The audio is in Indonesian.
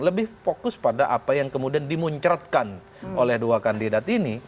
lebih fokus pada apa yang kemudian dimuncratkan oleh dua kandidat ini